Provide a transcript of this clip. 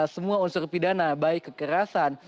semua unsur pidana baik kekerasan